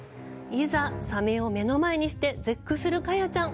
いざサメを目の前にして絶句するカヤちゃん。